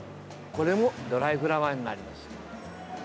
これもドライフラワーになります。